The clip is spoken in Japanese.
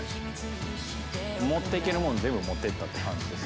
持っていけるもの全部持っていったって感じです。